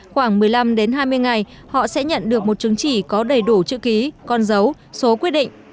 khoảng một mươi năm đến hai mươi ngày họ sẽ nhận được một chứng chỉ có đầy đủ chữ ký con dấu số quyết định